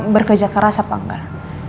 bekerja keras apa enggak